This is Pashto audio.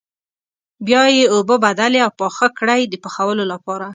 بیا یې اوبه بدلې او پاخه کړئ د پخولو لپاره.